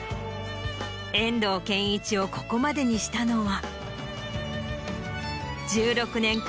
遠藤憲一をここまでにしたのは。